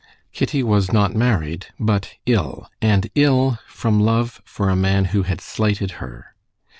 Kitty was not married, but ill, and ill from love for a man who had slighted her.